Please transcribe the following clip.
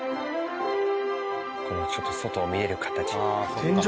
このちょっと外見える形。